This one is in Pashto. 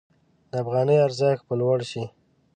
د افغانۍ ارزښت به لوړ شي.